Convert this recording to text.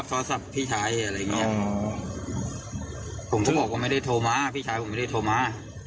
ผมก็บอกว่าไม่ได้โทรมาพี่ชายผมไม่ได้โทรมา